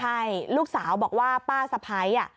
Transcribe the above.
ใช่ลูกสาวบอกว่าป้าสะพ้าย